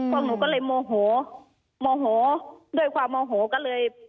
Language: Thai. พวกหนูก็เลยโมโหโมโหด้วยความโมโหก็เลย